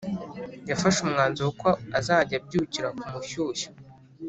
yafashe umwanzuro ko azajya abyukira kumushyushyo